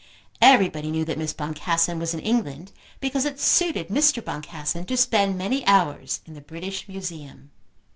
Everybody knew that Miss Boncassen was in England because it suited Mr. Boncassen to spend many hours in the British Museum.